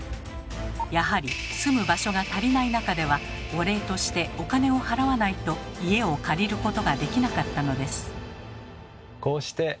やはり住む場所が足りない中ではお礼としてお金を払わないと家を借りることができなかったのです。